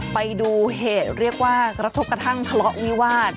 ไปดูเหตุเรียกว่ากระทบกระทั่งทะเลาะวิวาส